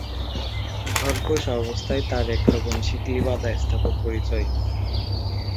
ঘর-পোষা অবস্থায় তার একরকম শিকলি-বাঁধা স্থাবর পরিচয়।